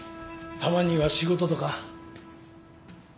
たまには仕事とか？